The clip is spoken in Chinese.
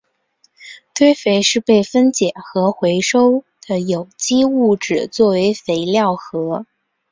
堆肥是被分解和回收的有机物质作为肥料和。